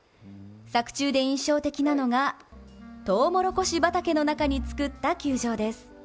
作中で印象的なのがとうもろこし畑の中に作った球場です。